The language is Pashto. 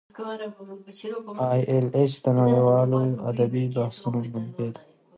ای ایل ایچ د نړیوالو ادبي بحثونو منبع ده.